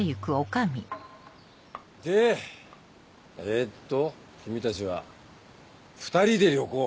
えっと君たちは２人で旅行？